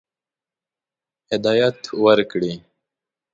هدایت ورکړي.